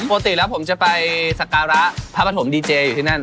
ปกติแล้วผมจะไปสักการะพระปฐมดีเจอยู่ที่นั่น